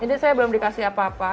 ini saya belum dikasih apa apa